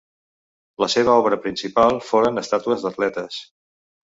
La seva obra principal foren estàtues d'atletes.